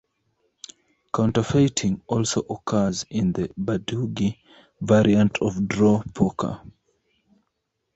Counterfeiting also occurs in the Badugi variant of draw poker.